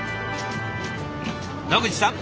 野口さん